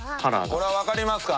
これはわかりますか？